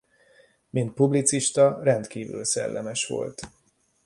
Mint publicista rendkívül szellemes volt.